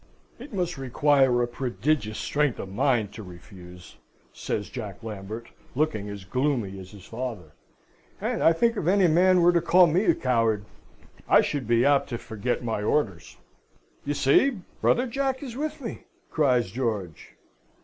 "It must require a prodigious strength of mind to refuse," says Jack Lambert, looking as gloomy as his father; "and I think if any man were to call me a coward, I should be apt to forget my orders." "You see brother Jack is with me!" cries George.